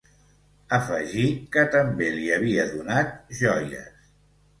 Afegí que també li havia donat joies.